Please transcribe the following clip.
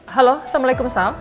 halo assalamualaikum sal